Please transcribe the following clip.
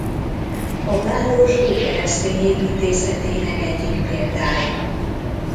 A város ókeresztény építészetének egyik példája.